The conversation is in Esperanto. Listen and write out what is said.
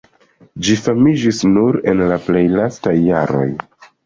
Ĝi famiĝis nur en la plej lastaj jaroj.